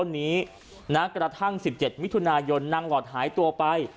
นางหลอดหายตัวไป